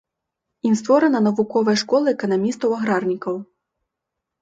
Ім створана навуковая школа эканамістаў-аграрнікаў.